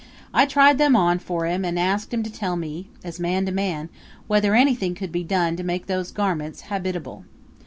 I tried them on for him and asked him to tell me, as man to man, whether anything could be done to make those garments habitable.